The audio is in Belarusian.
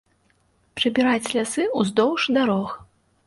Прыбіраць лясы, уздоўж дарог.